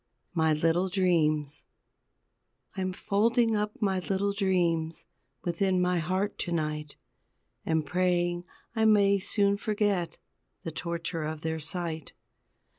MY LITTLE DREAMS I'm folding up my little dreams Within my heart to night, And praying I may soon forget The torture of their sight.